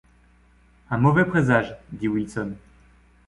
Un mauvais présage, dit Wilson.